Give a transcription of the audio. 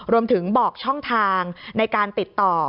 รวมถึงบอกช่องทางในการติดต่อ